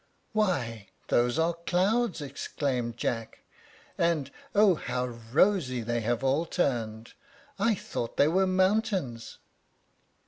"Why, those are clouds!" exclaimed Jack; "and O how rosy they have all turned! I thought they were mountains."